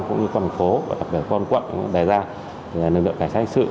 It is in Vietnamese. cũng như con phố và đặc biệt con quận đề ra nền lượng cảnh sát hình sự